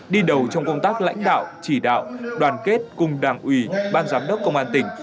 đi đầu trong công tác lãnh đạo chỉ đạo đoàn kết cùng đảng ủy ban giám đốc công an tỉnh